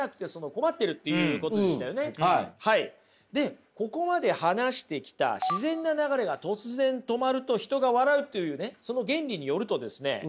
でここまで話してきた自然な流れが突然止まると人が笑うというねその原理によるとですね